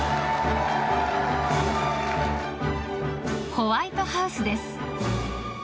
ホワイトハウスです。